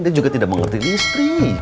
dia juga tidak mengerti listrik